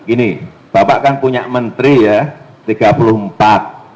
gini bapak kan punya menteri ya tiga puluh empat